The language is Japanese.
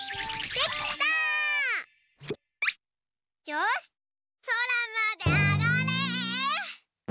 よしそらまであがれ！